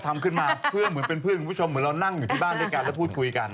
ทำขึ้นมาเหมือนพื้นชมเหมือนมานั่งที่บ้านพูดคุยกัน